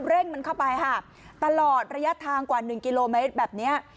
เร่งมันเข้าไปค่ะตลอดระยะทางกว่าหนึ่งกิโลเมตรแบบเนี้ย